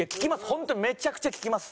本当にめちゃくちゃ聞きます。